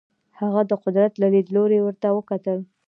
هغه د قدرت له لیدلوري ورته وکتل.